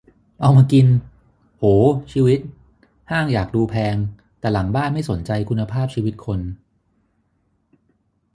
เอามากิน โห ชีวิต ห้างอยากดูแพง แต่หลังบ้านไม่สนใจคุณภาพชีวิตคน